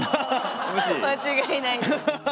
間違いない。